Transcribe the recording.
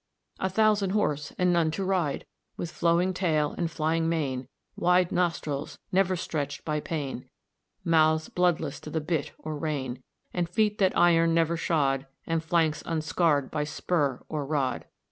"A thousand horse and none to ride! With flowing tail, and flying mane, Wide nostrils never stretch'd by pain, Mouths bloodless to the bit or rein, And feet that iron never shod, And flanks unscarr'd by spur or rod.